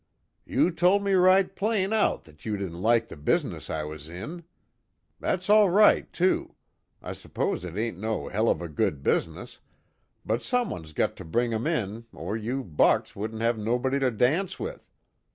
"You told me right plain out that you didn't like the business I was in! That's all right, too. I s'pose it ain't no hell of a good business, but someone's got to bring 'em in or you bucks wouldn't have nobody to dance with.